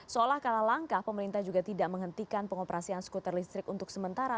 seolah kalah langkah pemerintah juga tidak menghentikan pengoperasian skuter listrik untuk sementara